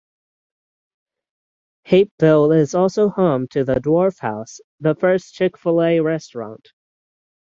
Hapeville is also home to the Dwarf House - the first Chick-fil-A restaurant.